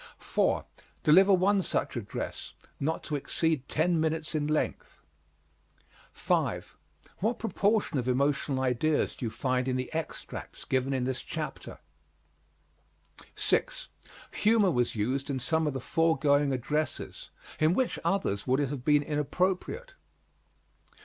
4. Deliver one such address, not to exceed ten minutes in length. 5. What proportion of emotional ideas do you find in the extracts given in this chapter? 6. Humor was used in some of the foregoing addresses in which others would it have been inappropriate?